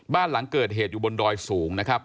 บ้านหลังเกิดเหตุอยู่บนดอยสูงนะครับ